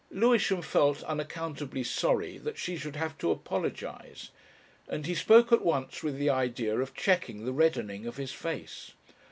Lewisham felt unaccountably sorry she should have to apologise, and he spoke at once with the idea of checking the reddening of his face.